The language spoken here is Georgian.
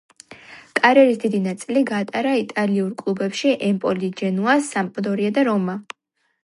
კარიერის დიდი ნაწილი გაატარა იტალიურ კლუბებში, ემპოლი, ჯენოა, სამპდორია და რომა.